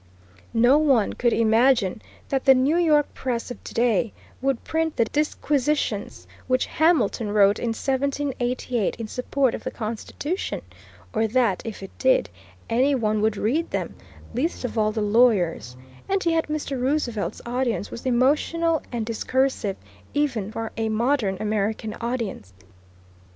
No one could imagine that the New York press of to day would print the disquisitions which Hamilton wrote in 1788 in support of the Constitution, or that, if it did, any one would read them, least of all the lawyers; and yet Mr. Roosevelt's audience was emotional and discursive even for a modern American audience.